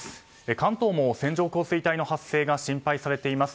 関東も線状降水帯の発生が心配されています。